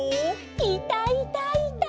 「いたいたいた！」